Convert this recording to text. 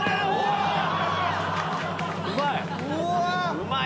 うまい！